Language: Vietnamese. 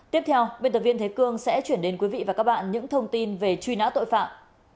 tiếp theo biên tập viên thế cương sẽ chuyển đến quý vị và các bạn những thông tin về truy nã tội phạm